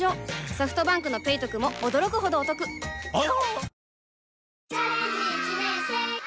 ソフトバンクの「ペイトク」も驚くほどおトクわぁ！